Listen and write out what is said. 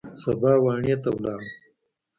سبا واڼې ته ولاړو.